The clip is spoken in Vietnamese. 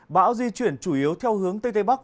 bão di chuyển chủ yếu theo hướng tây tây bắc